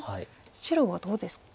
白はどうですか？